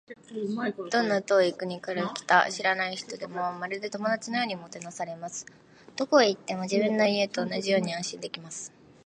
どんな遠い国から来た知らない人でも、まるで友達のようにもてなされます。どこへ行っても、自分の家と同じように安心できます。